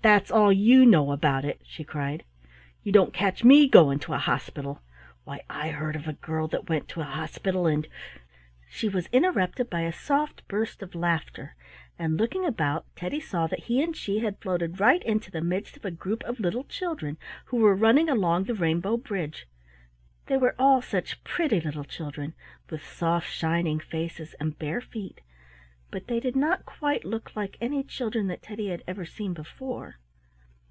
"That's all you know about it," she cried. "You don't catch me going to a hospital. Why, I heard of a girl that went to a hospital and—" She was interrupted by a soft burst of laughter, and looking about Teddy saw that he and she had floated right into midst of a group of little children, who were running along the rainbow bridge. They were all such pretty little children, with soft shining faces and bare feet, but they did not quite look like any children that Teddy had ever seen before.